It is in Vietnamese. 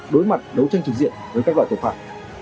đối mặt đấu tranh trực diện với các loại tội phạm